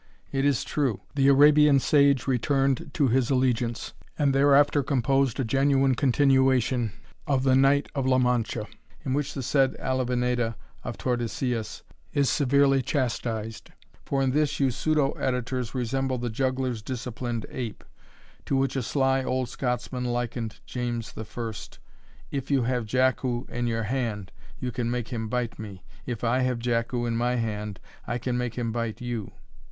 It is true, the Arabian sage returned to his allegiance, and thereafter composed a genuine continuation of the Knight of La Mancha, in which the said Avellaneda of Tordesillas is severely chastised. For in this you pseudo editors resemble the juggler's disciplined ape, to which a sly old Scotsman likened James I., "if you have Jackoo in your hand, you can make him bite me; if I have Jackoo in my hand, I can make him bite you."